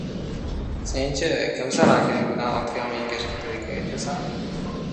Sen-chi, Kimsan akang bilan otga mingashib to‘yga aytasan.